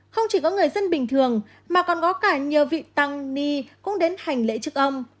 không chỉ có người dân bình thường mà còn có cả nhiều vị tăng ni cũng đến hành lễ trước ông